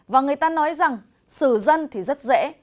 và người ta nói rằng xử dân thì rất dễ